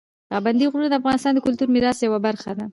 پابندي غرونه د افغانستان د کلتوري میراث یوه برخه ده.